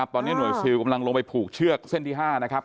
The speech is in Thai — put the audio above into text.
ตอนนี้หน่วยซิลกำลังลงไปผูกเชือกเส้นที่๕นะครับ